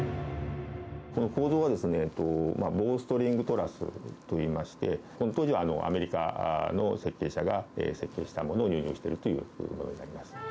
この構造は、ボウストリングトラスといいまして、当時はアメリカの設計者が設計したものを、流入したものになります。